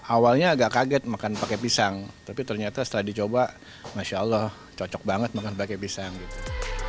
awalnya agak kaget makan pakai pisang tapi ternyata setelah dicoba masya allah cocok banget makan pakai pisang gitu